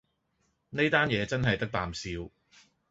呢單嘢真係得啖笑